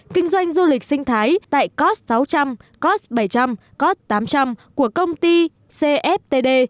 kinh doanh du lịch sinh thái tại cos sáu trăm linh cost bảy trăm linh cot tám trăm linh của công ty cftd